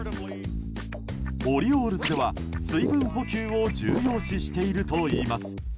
オリオールズでは水分補給を重要視しているといいます。